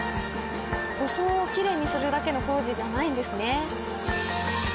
装をきれいにするだけの工事じゃないんですね。